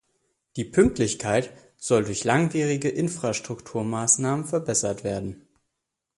Die Pünktlichkeit soll durch langwierige Infrastrukturmaßnahmen verbessert werden.